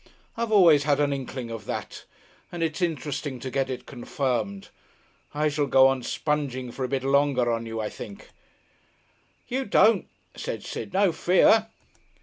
I've always had an inkling of that, and it's interesting to get it confirmed. I shall go on sponging for a bit longer on you, I think." "You don't," said Sid. "No fear."